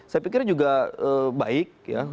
saya pikir juga baik ya